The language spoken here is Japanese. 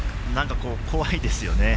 怖いですよね。